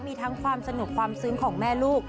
มีทั้งความสนุกความซึ้งของแม่ลูก